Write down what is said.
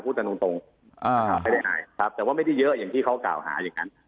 ตรงไม่ได้อายครับแต่ว่าไม่ได้เยอะอย่างที่เขากล่าวหาอย่างนั้น